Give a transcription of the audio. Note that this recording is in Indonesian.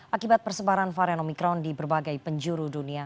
akibat persebaran varian omikron di berbagai penjuru dunia